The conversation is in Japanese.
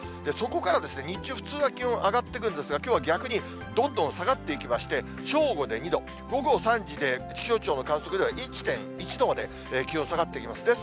そこから日中、普通は気温上がってくるんですが、きょうは逆にどんどん下がっていきまして、正午で２度、午後３時で気象庁の観測では１．１度まで気温下がってきます。